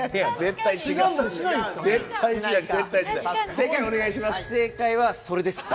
正解お願いします。